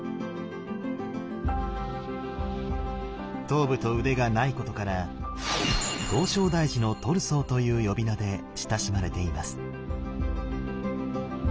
頭部と腕がないことから「唐招提寺のトルソー」という呼び名で親しまれています。